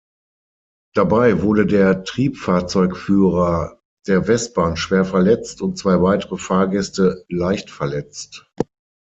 Dabei wurde der Triebfahrzeugführer der Westbahn schwer verletzt und zwei weitere Fahrgäste leicht verletzt.